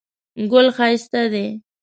ګل ښایسته دی.